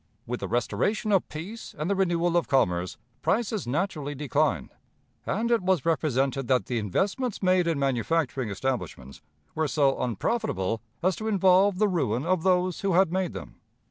With the restoration of peace and the renewal of commerce, prices naturally declined, and it was represented that the investments made in manufacturing establishments were so unprofitable as to involve the ruin of those who had made them.